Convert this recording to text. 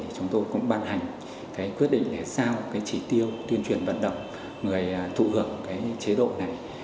và bàn hành quyết định sao trí tiêu tuyên truyền vận động người thụ hưởng chế độ này